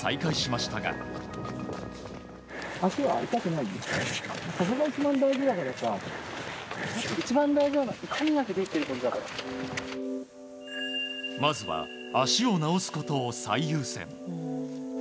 まずは足を治すことを最優先。